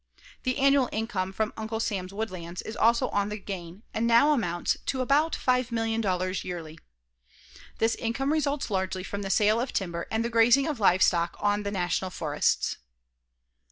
The annual income from Uncle Sam's woodlands is also on the gain and now amounts to about $5,000,000 yearly. This income results largely from the sale of timber and the grazing of livestock on the National Forests.